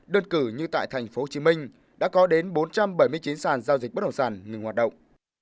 đơn cử như tại tp hcm đã có đến bốn trăm bảy mươi chín sản giao dịch bất động sản ngừng hoạt động